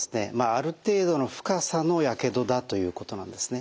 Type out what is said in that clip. ある程度の深さのやけどだということなんですね。